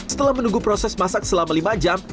setelah menunggu proses masak selama lima jam